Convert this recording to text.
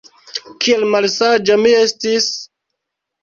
Kiel malsaĝa mi estis!